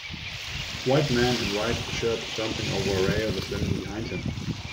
White man in white shirt jumping over rail with women behind him.